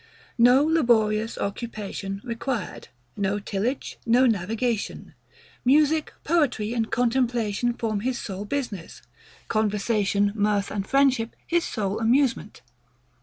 No laborious occupation required: no tillage: no navigation. Music, poetry, and contemplation form his sole business: conversation, mirth, and friendship his sole amusement.